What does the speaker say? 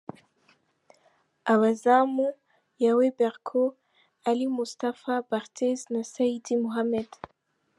Abazamu: Yaw Berko, Ali Mustapha Barthez na Saidi Mohammed.